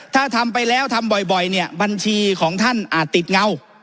ถ้าทำไปแล้วทำบ่อยเนี่ยบัญชีของท่านอาจติดเงา